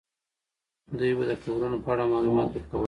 دوی به د قبرونو په اړه معلومات ورکولې.